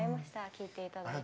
聴いていただいて。